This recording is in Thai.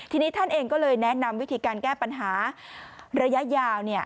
ทีนี้ท่านเองก็เลยแนะนำวิธีการแก้ปัญหาระยะยาว